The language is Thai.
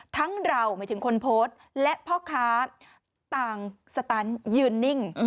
ทั้งเราไม่ถึงคนโพสต์และพ่อค้าต่างฝ่ายยืนนิ่ง